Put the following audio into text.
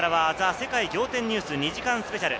世界仰天ニュース』２時間スペシャル。